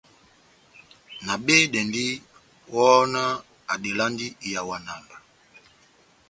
Nabehedɛndi, wɔhɔnáh adelandi ihawana mba.